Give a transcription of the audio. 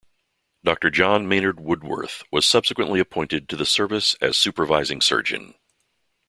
Doctor John Maynard Woodworth was subsequently appointed to the Service as Supervising Surgeon.